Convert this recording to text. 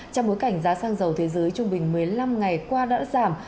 trong bối cảnh giá xăng dầu thế giới trung bình một mươi năm ngày qua đã giảm